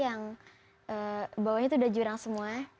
yang bawahnya itu udah jurang semua